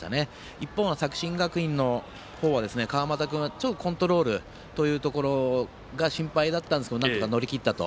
一方の作新学院の方は川又君がちょっとコントロールが心配だったんですけどなんとか乗り切ったと。